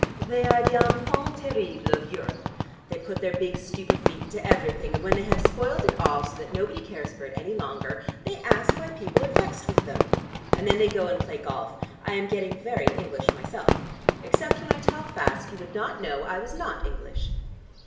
They are the enfant terrible of Europe. They put their big stupid feet into everything and when they have spoiled it all, so that nobody cares for it any longer, they ask why people are vexed with them! And then they go and play golf. I am getting very English myself. Except when I talk fast you would not know I was not English."